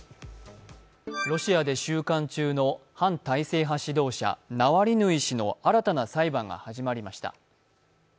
ロシアで収監中の反体制派指導者、ナワリヌイ氏の新たな裁判が始まりました。